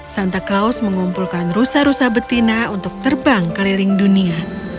santa claus mengumpulkan rusa rusa betina untuk terbang keliling dunia